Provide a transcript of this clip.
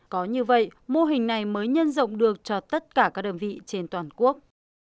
có như vậy mô hình này mới nhân rộng được cho tất cả các đơn vị trên toàn quốc